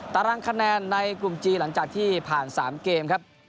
ตารางคะแนนในกลุ่มจีนหลังจากที่ผ่าน๓เกมครับ